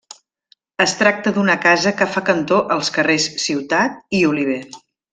Es tracta d'una casa que fa cantó als carrers Ciutat i Oliver.